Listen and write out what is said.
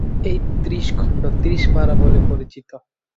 এই ত্রিশ খন্ড ত্রিশ পারা বলে পরিচিত।